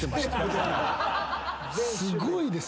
すごいです。